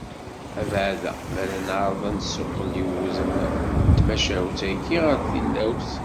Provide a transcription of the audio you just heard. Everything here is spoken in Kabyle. Abeɛda mi ara neɛreḍ ad nessuqqel iwudam n tmacahut-agi ɣer tillawt.